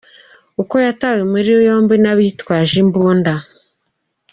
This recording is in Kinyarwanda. Uko yatawe muri yombi n’abitwaje imbunda